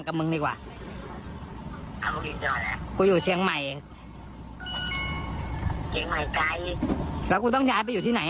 แล้วกูต้องย้ายไปอยู่ที่ไหนอ่ะ